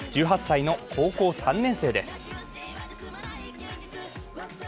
１８歳の高校３年生です。